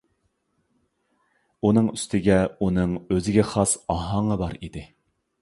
ئۇنىڭ ئۈستىگە ئۇنىڭ ئۆزىگە خاس ئاھاڭى بار ئىدى.